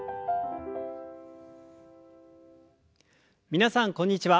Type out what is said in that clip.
皆さんこんにちは。